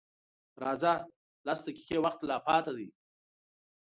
_راځه! لس دقيقې وخت لا پاتې دی.